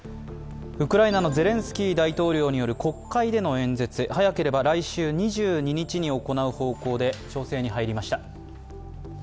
ウクライナのゼレンスキー大統領による国会での演説、早ければ来週２２日に行う方向で調整に入りました。